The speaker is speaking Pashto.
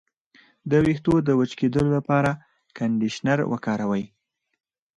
د ویښتو د وچ کیدو لپاره کنډیشنر وکاروئ